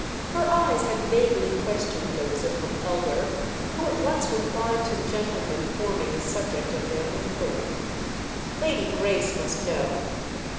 Her eyes had vaguely questioned those of her elder, who at once replied to the gentleman forming the subject of their inquiry: "Lady Grace must know."